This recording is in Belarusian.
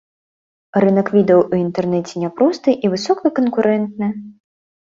Рынак відэа ў інтэрнэце няпросты і высокаканкурэнтны.